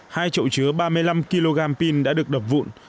hai chậu chứa ba mươi năm kg pin đã được đập vụn